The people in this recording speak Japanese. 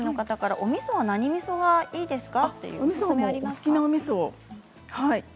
おみそは何みそがいいですか？